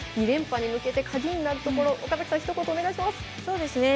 ２連覇に向けて鍵になるところ岡崎さん、ひと言お願いします。